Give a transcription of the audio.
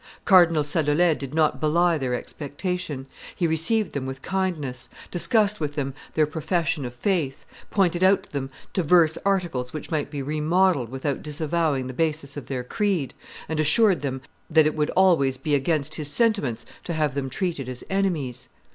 Cardinal Sadolet did not belie their expectation; he received them with kindness, discussed with them their profession of faith, pointed out to them divers articles which might be remodelled without disavowing the basis of their creed, and assured them that it would always be against his sentiments to have them treated as enemies.